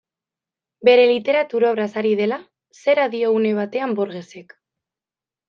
Bere literatur obraz ari dela, zera dio une batean Borgesek.